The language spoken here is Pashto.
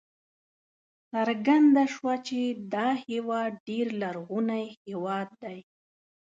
څرګنده شوه چې دا هېواد ډېر لرغونی هېواد دی.